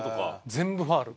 全部ファウル。